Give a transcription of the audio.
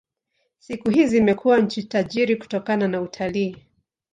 Siku hizi imekuwa nchi tajiri kutokana na utalii.